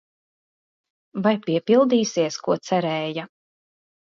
Vai piepildīsies, ko cerēja?